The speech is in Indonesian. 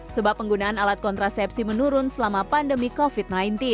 sebab penggunaan alat kontrasepsi menurun selama pandemi covid sembilan belas